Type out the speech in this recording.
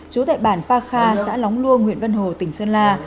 chú tệ bản pakha xã lóng luông huyện vân hồ tỉnh sơn la